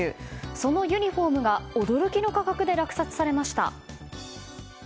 そのユニホームが驚きの価格で落札されました。